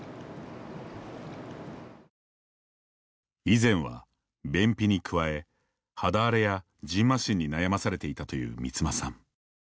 以前は、便秘に加え肌荒れや、じんましんに悩まされていたという三間さん。